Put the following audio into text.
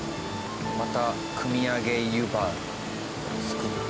また汲みあげ湯葉作って。